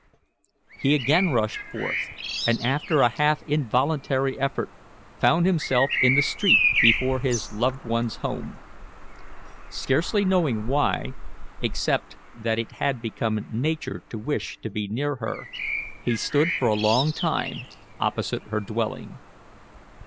He again rushed forth, and, after a half involuntary effort, found himself in the street before his loved one's home. Scarcely knowing why, except that it had become nature to wish to be near her, he stood for a long time opposite her dwelling.